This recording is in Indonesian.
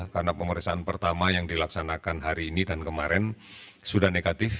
karena pemeriksaan pertama yang dilaksanakan hari ini dan kemarin sudah negatif